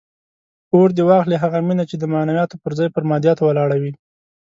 اور دې واخلي هغه مینه چې د معنویاتو پر ځای پر مادیاتو ولاړه وي.